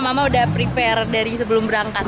mama udah prepare dari sebelum berangkat